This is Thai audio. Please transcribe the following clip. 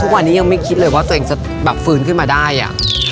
ยังไม่คิดเลยว่าตัวเองจะแบบฟื้นขึ้นมาได้อ่ะ